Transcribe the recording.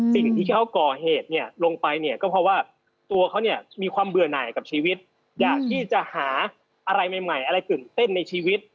สิ่งที่เขาก่อเหตุเนี่ยลงไปเนี่ยก็เพราะว่าตัวเขาเนี่ยมีความเบื่อหน่ายกับชีวิตอยากที่จะหาอะไรใหม่อะไรตื่นเต้นในชีวิต